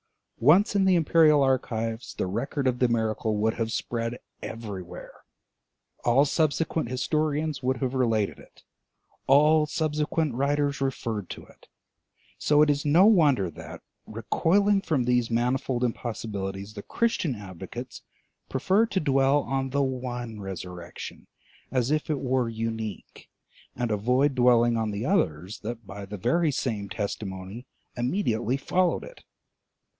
Once in the imperial archives, the record of the miracle would have spread everywhere; all subsequent historians would have related it, all subsequent writers referred to it. So it is no wonder that, recoiling from these manifold impossibilities, the Christian advocates prefer to dwell on the one resurrection as if it were unique, and avoid dwelling on the others that by the very same testimony immediately followed it.